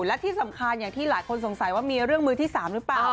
และที่สำคัญอย่างที่หลายคนสงสัยว่ามีเรื่องมือที่๓หรือเปล่า